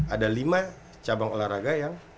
ada lima cabang olahraga yang